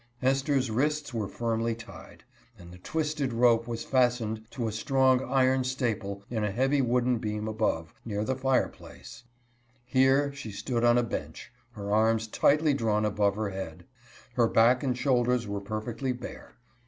Esther's wrists were firmly tied, and the twisted rope was fastened to a strong iron staple in a heavy wooden beam above, near the fire place. Here she stood on a bench, her arms tightly drawn above her head. Her CRUEL TREATMENT OF A SLAVE GIRL. 55 back and shoulders were perfectly bare.